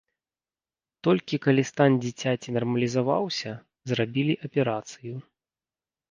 Толькі калі стан дзіцяці нармалізаваўся, зрабілі аперацыю.